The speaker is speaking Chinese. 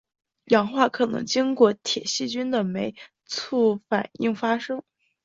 氧化可能经由铁细菌的酶促反应发生。